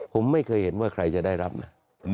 ผมไม่เคยเห็นว่าใครจะได้รับนะ